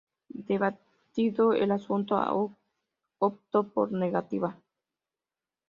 Debatido el asunto, optó por la negativa.